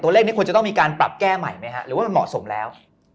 เลขนี้ควรจะต้องมีการปรับแก้ใหม่ไหมฮะหรือว่ามันเหมาะสมแล้ว